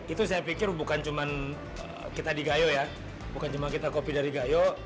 itu saya pikir bukan cuma kita di gayo ya bukan cuma kita kopi dari gayo